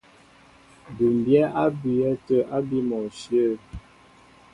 Bʉ́mbyɛ́ á bʉʉyɛ́ tə̂ ábí mɔnshyə̂.